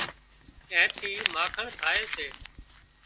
اين ٿِي مانکڻ ٿائي سي